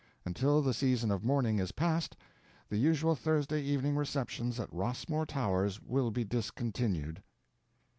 Until the season of mourning is past, the usual Thursday evening receptions at Rossmore Towers will be discontinued.